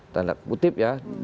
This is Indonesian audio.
tanda putip ya